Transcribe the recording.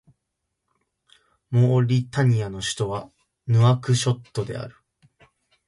モーリタニアの首都はヌアクショットである